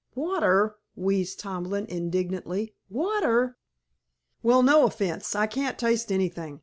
"Water?" wheezed Tomlin indignantly. "Water?" "Well, no offense. I can't taste anything.